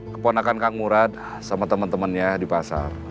keponakan kang murad sama temen temennya di pasar